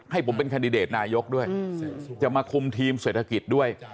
ให้ผมเป็นแคนดิเดตนายกด้วยจะมาคุมทีมเศรษฐกิจด้วย